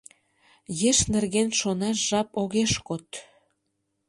Еш нерген шонаш жап огеш код».